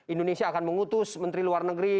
indonesia akan mengutus menteri luar negeri